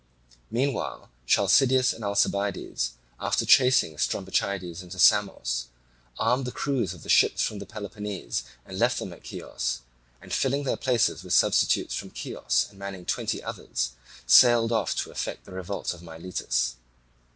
Meanwhile Chalcideus and Alcibiades, after chasing Strombichides into Samos, armed the crews of the ships from Peloponnese and left them at Chios, and filling their places with substitutes from Chios and manning twenty others, sailed off to effect the revolt of Miletus.